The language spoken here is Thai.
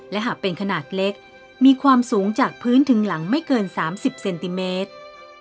และหากเป็นขนาดเล็กมีความสูงจากพื้นถึงหลังไม่เกิน๓๐เซนติเมตร